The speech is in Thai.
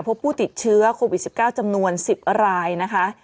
พบผู้ติดเชื้อโควิด๑๙จำนวน๑๐รายนะคะ